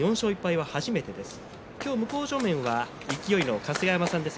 向正面は勢の春日山さんです。